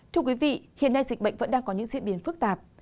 thưa quý vị hiện nay dịch bệnh vẫn đang có những diễn biến phức tạp